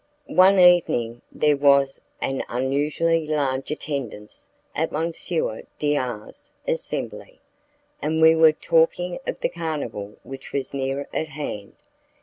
One evening, there was an unusually large attendance at M. D R 's assembly, and we were talking of the carnival which was near at hand.